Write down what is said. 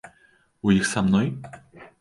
У іх са мной?